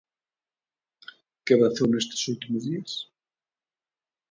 Que avanzou nestes últimos días?